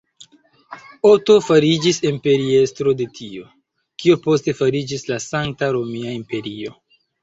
Oto fariĝis imperiestro de tio, kio poste fariĝis la Sankta Romia Imperio.